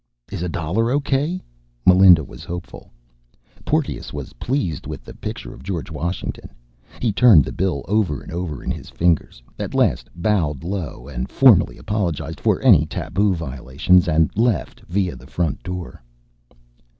"Is a dollar okay?" Melinda was hopeful. Porteous was pleased with the picture of George Washington. He turned the bill over and over in his fingers, at last bowed low and formally, apologized for any tabu violations, and left via the front door.